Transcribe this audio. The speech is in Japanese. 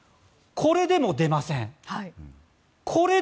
これでも出ません。